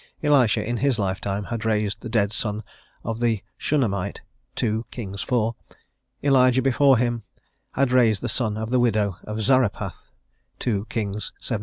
Elisha, in his lifetime had raised the dead son of the Shunamite (2 Kings iv.); Elijah, before him, had raised the son of the Widow of Zarephath (2 Kings xvii.)